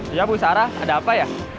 iya bu sarah ada apa ya